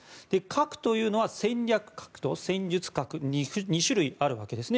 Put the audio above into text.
核というのは戦略核と戦術核の２種類あるわけです。